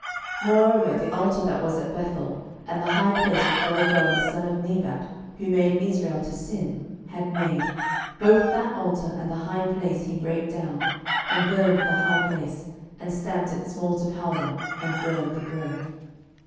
12:023:015 Moreover the altar that was at Bethel, and the high place which Jeroboam the son of Nebat, who made Israel to sin, had made, both that altar and the high place he brake down, and burned the high place, and stamped it small to powder, and burned the grove.